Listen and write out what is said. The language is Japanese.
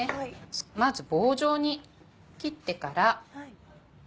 まず棒状に切ってから。